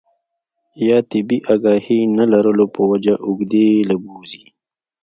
يا طبي اګاهي نۀ لرلو پۀ وجه اوږدې له بوځي